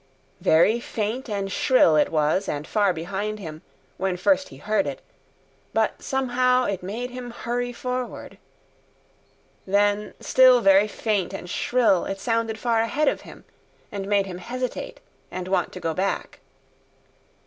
Very faint and shrill it was, and far behind him, when first he heard it; but somehow it made him hurry forward. Then, still very faint and shrill, it sounded far ahead of him, and made him hesitate and want to go back.